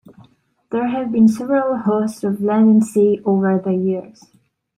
There have been several hosts of "Land and Sea" over the years.